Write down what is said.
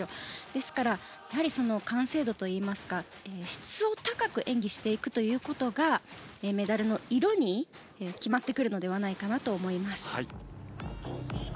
ですから、完成度といいますか質を高く演技していくことがメダルの色が決まってくるのではないかなと思います。